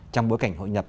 trong bối cảnh hội nhập